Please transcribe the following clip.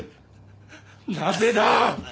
なぜだ！